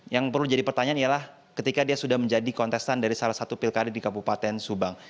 yang perlu jadi pertanyaan ialah ketika dia sudah menjadi kontestan dari salah satu pilkada di kabupaten subang